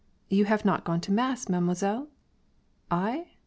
"You have not gone to mass, Mademoiselle?" "I?